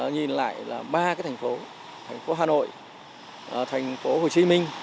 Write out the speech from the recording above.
nhìn lại là ba cái thành phố thành phố hà nội thành phố hồ chí minh